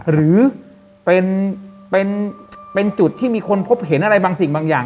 หรือเป็นจุดที่มีคนพบเห็นอะไรบางสิ่งบางอย่าง